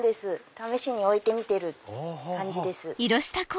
試しに置いてみてる感じです。